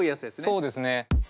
そうですね。